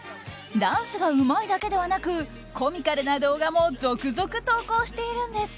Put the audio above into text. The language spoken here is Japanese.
ダンスがうまいだけではなくコミカルな動画も続々投稿しているんです。